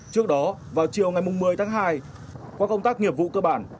trước đó vào chiều ngày một mươi tháng hai qua công tác nghiệp vụ cơ bản